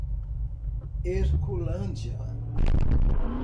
Herculândia